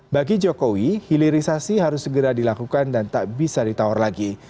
bagi jokowi hilirisasi harus segera dilakukan dan tak bisa ditawar lagi